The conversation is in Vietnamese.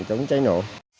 đúng cháy nổ